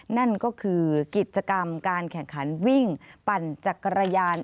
นั่นก็คือกิจกรรมการแข่งขันวิ่งปั่นจักรยาน